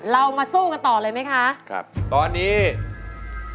เรามาสู้กันต่อเลยไหมคะ